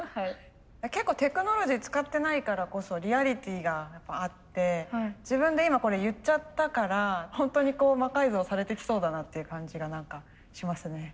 結構テクノロジー使ってないからこそリアリティーがあって自分で今これ言っちゃったからホントに魔改造されてきそうだなっていう感じが何かしますね。